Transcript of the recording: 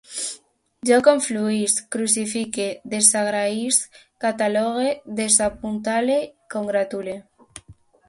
Jo confluïsc, crucifique, desagraïsc, catalogue, desapuntale, congratule